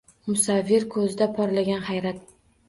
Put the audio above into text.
Musavvir ko’zida porlagan hayrat